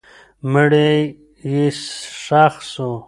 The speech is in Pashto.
مړی یې ښخ سو.